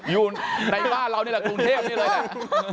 อยู่ในบ้านเรานี่แหละกรุงเทพนี่เลยแหละ